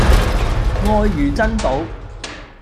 愛如珍寶